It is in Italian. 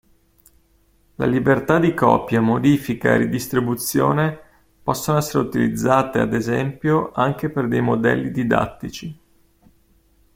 La libertà di copia, modifica e ridistribuzione possono essere utilizzate, ad esempio, anche per dei modelli didattici.